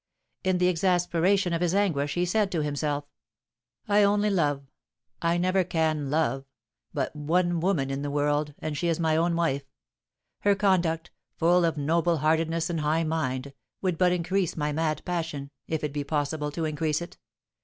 In the exasperation of his anguish, he said to himself: "I only love, I never can love, but one woman in the world, and she is my own wife. Her conduct, full of noble heartedness and high mind, would but increase my mad passion, if it be possible to increase it.